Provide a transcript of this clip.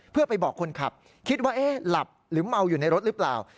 เพื่อไปบอกคนขับคิดว่าเอ๊ะหลับหรือเมาอยู่ในรถหรือเปล่า